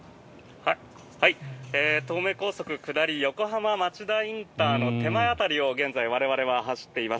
東名高速、下り横浜町田ＩＣの手前辺りを現在、我々は走っています。